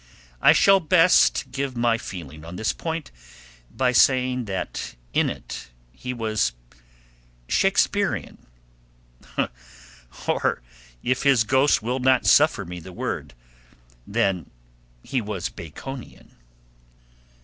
I shall best give my feeling on this point by saying that in it he was Shakespearian, or if his ghost will not suffer me the word, then he was Baconian.